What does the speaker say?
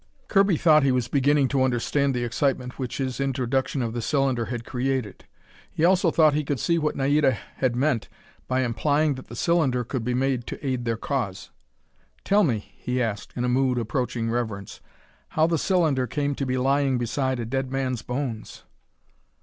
Kirby thought he was beginning to understand the excitement which his introduction of the cylinder had created. He also thought he could see what Naida had meant by implying that the cylinder could be made to aid their cause. "Tell me," he asked in a mood approaching reverence, "how the cylinder came to be lying beside a dead man's bones."